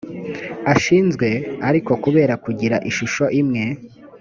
ashinzwe ariko kubera kugira ishusho imwe